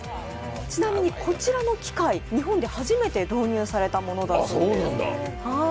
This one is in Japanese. ちなみにこちらの機械、日本で初めて導入されたものだそうです。